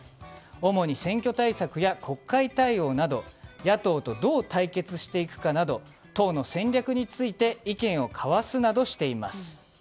主に選挙対策や国会対応など野党とどう対決していくかなど党の戦略について意見を交わすなどしています。